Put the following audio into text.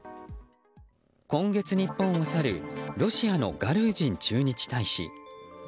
今月、日本を去るロシアのガルージン駐日大使。